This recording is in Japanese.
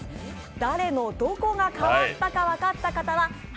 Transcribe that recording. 誰のどこが変わったか分かった方は＃